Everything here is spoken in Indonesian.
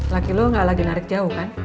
laki lu gak lagi narik jauh kan